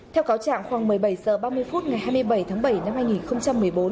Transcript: theo cáo trạng khoảng một mươi bảy h ba mươi phút ngày hai mươi bảy tháng bảy năm hai nghìn một mươi bốn